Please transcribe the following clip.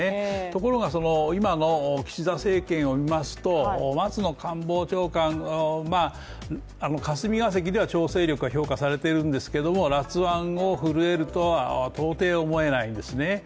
ところが今の岸田政権を見ますと松野官房長官、霞が関では調整力が評価をされているんですけどもらつ腕を振るえるとは到底思えないんですね。